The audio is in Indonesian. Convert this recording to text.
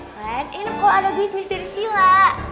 kan enak kalau ada good news dari sila